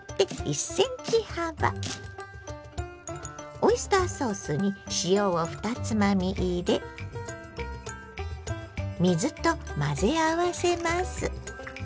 オイスターソースに塩を２つまみ入れ水と混ぜ合わせます。